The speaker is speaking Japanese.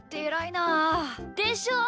でしょ！